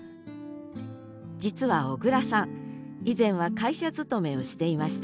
実は小椋さん以前は会社勤めをしていました。